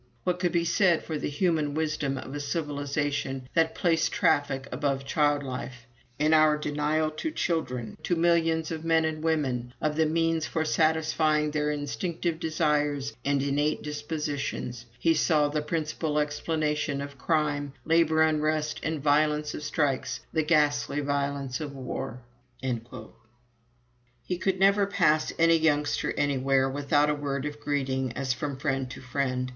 What could be said for the human wisdom of a civilization that placed traffic above child life? In our denial to children, to millions of men and women, of the means for satisfying their instinctive desires and innate dispositions, he saw the principal explanation of crime, labor unrest, the violence of strikes, the ghastly violence of war." [Footnote 1: Robert Bruère, in the New Republic, May 18, 1918.] He could never pass any youngster anywhere without a word of greeting as from friend to friend.